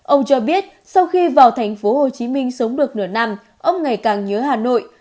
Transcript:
ông cho biết sau khi vào thành phố hồ chí minh sống được nửa năm ông ngày càng nhớ hà nội